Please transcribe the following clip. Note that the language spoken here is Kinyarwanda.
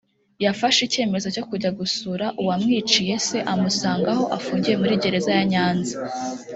yafashe icyemezo cyo kujya gusura uwamwiciye se amusanga aho afungiye muri Gereza ya Nyanza